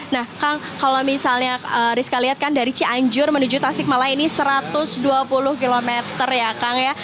nah kang kalau misalnya rizka lihat kan dari cianjur menuju tasikmalaya ini satu ratus dua puluh km ya kang ya